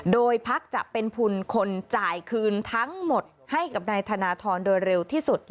โดยพักจะเป็นทุนคนจ่ายคืนทั้งหมดให้กับนายธนทรโดยเร็วที่สุด